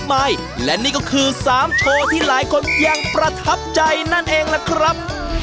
ไม่และนี่ก็คือ๓โชว์ที่หลายคนยังประทับใจนั่นเองล่ะครับ